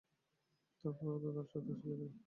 তারাপদর দল সদরে চলিয়া গেল।